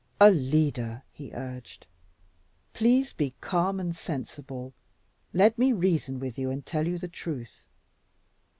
"Alida," he urged, "please be calm and sensible. Let me reason with you and tell you the truth.